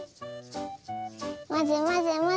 まぜまぜまぜ。